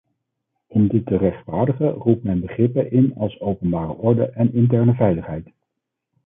Om dit te rechtvaardigen roept men begrippen in als openbare orde en interne veiligheid.